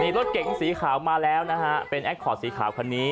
รถเก๋งสีขาวมาแล้วนะฮะเป็นแอคคอร์ดสีขาวคันนี้